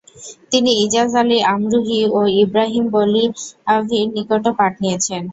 তিনি ইজাজ আলী আমরুহী ও ইবরাহিম বলিয়াভির নিকটও পাঠ নিয়েছেন।